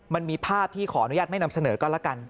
มันมีภาพที่ขออนุญาตไม่นำเสนอก็แล้วกัน